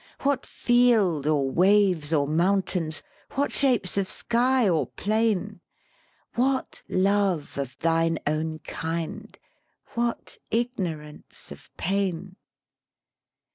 What field, or waves, or mountains? What shapes of sky or plain? What love of thine own kind? what ignorance of pain?